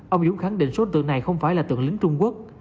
ông hiếu khẳng định số tượng này không phải là tượng lính trung quốc